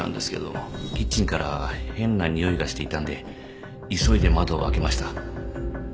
キッチンから変なにおいがしていたんで急いで窓を開けました